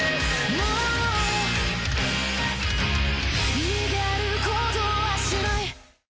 もう逃げることはしない